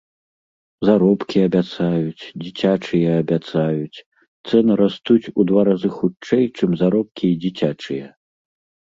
Заробкі абяцаюць, дзіцячыя абяцаюць, цэны растуць у два разы хутчэй, чым заробкі і дзіцячыя.